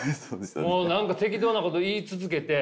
もう何か適当なこと言い続けて。